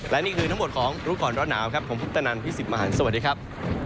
และนี่คือทั้งหมดของรู้ก่อนร้อนหนาวครับผมพุทธนันพี่สิทธิ์มหันฯสวัสดีครับ